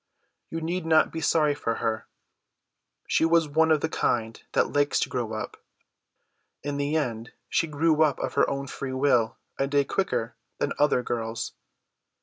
You need not be sorry for her. She was one of the kind that likes to grow up. In the end she grew up of her own free will a day quicker than other girls.